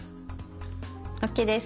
ＯＫです。